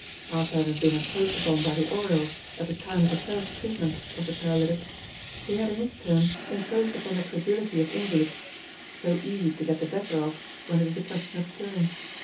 After having been imposed upon by the Oriols at the time of the first treatment of the paralytic, he had in his turn imposed upon the credulity of invalids so easy to get the better of, when it is a question of curing.